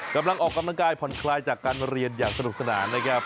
กำลังออกกำลังกายผ่อนคลายจากการเรียนอย่างสนุกสนานนะครับ